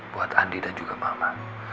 buat andi dan juga mama